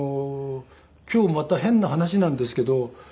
今日また変な話なんですけど。